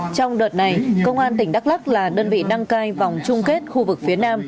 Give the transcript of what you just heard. trong đợt này công an tỉnh đắk lắc là đơn vị đăng cai vòng chung kết khu vực phía nam